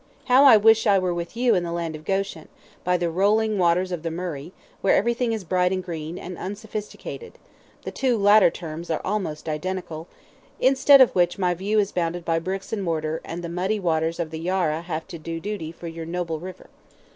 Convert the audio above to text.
How I wish I were with you in the land of Goschen, by the rolling waters of the Murray, where everything is bright and green, and unsophisticated the two latter terms are almost identical instead of which my view is bounded by bricks and mortar, and the muddy waters of the Yarra have to do duty for your noble river.